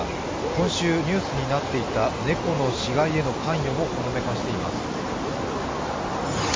今週ニュースになっていた猫の死骸への関与もほのめかしています。